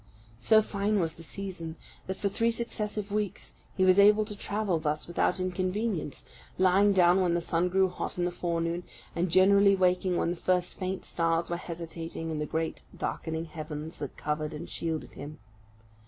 So fine was the season, that for three successive weeks he was able to travel thus without inconvenience, lying down when the sun grew hot in the forenoon, and generally waking when the first faint stars were hesitating in the great darkening heavens that covered and shielded him.